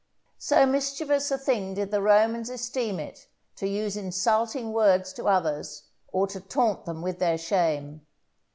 So mischievous a thing did the Romans esteem it to use insulting words to others, or to taunt them with their shame.